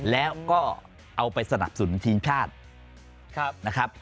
แล้วก็เอาไปสนับสนุนทีมชาตินะครับ